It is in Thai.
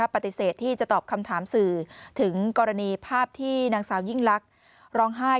ปฏิเสธที่จะตอบคำถามสื่อถึงกรณีภาพที่นางสาวยิ่งลักษณ์ร้องไห้